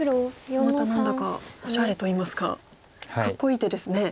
また何だかおしゃれといいますかかっこいい手ですね。